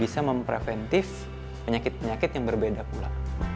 bisa mempreventif penyakit penyakit yang berbeda pula